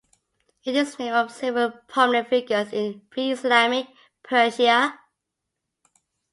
It is name of several prominent figures in pre-Islamic Persia.